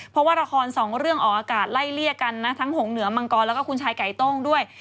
เพราะว่าละครสองเรื่องออกอากาศไล่เลี่ยกันนะทั้งหงเหนือมังกรแล้วก็คุณชายไก่โต้งด้วย